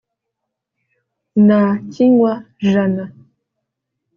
na kinywa-jana,